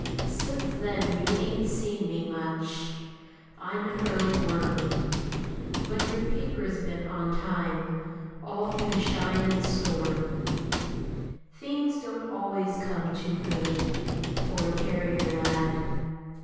Since then you ain't seen me much ; I'm an early worm. But your paper's been on time All through shine and storm. Things don't always come too good For a carrier lad.